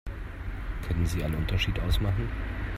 Können Sie einen Unterschied ausmachen?